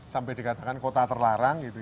sampai dikatakan kota terlarang gitu